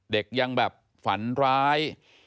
เด็กยังแบบฝันร้าย